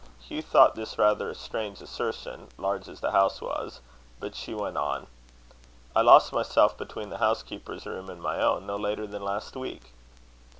Hugh thought this rather a strange assertion, large as the house was; but she went on: "I lost myself between the housekeeper's room and my own, no later than last week."